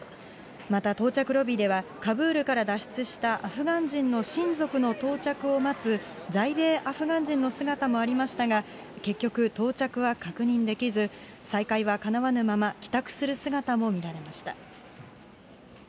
また、到着ロビーでは、カブールから脱出したアフガン人の親族の到着を待つ在米アフガン人の姿もありましたが、結局、到着は確認できず、再会はかなわぬまま、帰宅する姿も見られました。